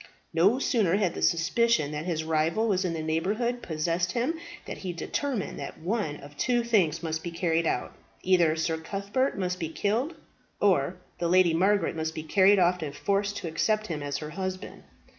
No sooner had the suspicion that his rival was in the neighbourhood possessed him, than he determined that one of two things must be carried out: either Sir Cuthbert must be killed, or the Lady Margaret must be carried off and forced to accept him as her husband.